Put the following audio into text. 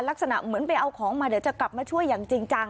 ลักษณะเหมือนไปเอาของมาเดี๋ยวจะกลับมาช่วยอย่างจริงจัง